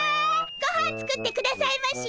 ごはん作ってくださいまし！